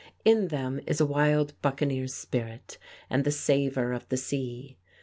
In them is a wild buccaneer spirit, and the savor of the sea.